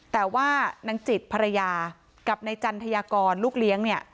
แต่ว่านางจิตภรรยากับนายจันทยากรลูกเลี้ยงเนี่ย